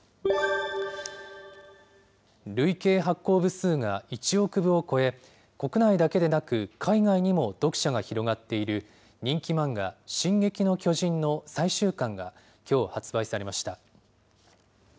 累計発行部数が１億部を超え、国内だけでなく、海外にも読者が広がっている人気漫画、進撃の巨人の最終巻がきょう、発売されました。